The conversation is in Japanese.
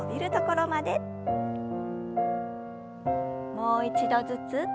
もう一度ずつ。